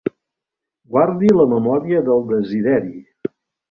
Guardi la memòria del Desideri.